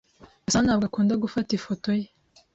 Gasana ntabwo akunda gufata ifoto ye.